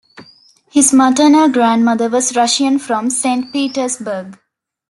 His maternal grandmother was Russian from Saint Petersburg.